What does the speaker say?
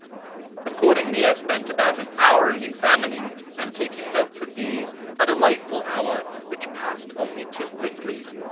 Accordingly I spent about an hour in examining and taking notes of these — a delightful hour, which passed only too quickly.